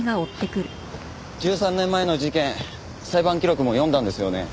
１３年前の事件裁判記録も読んだんですよね？